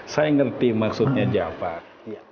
saya ngerti maksudnya jafar